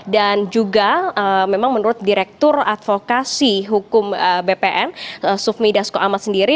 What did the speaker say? dan juga memang menurut direktur advokasi hukum bpn sufmi dasko amat sendiri